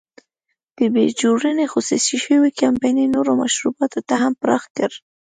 د بیر جوړونې خصوصي شوې کمپنۍ نورو مشروباتو ته هم پراخ کړ.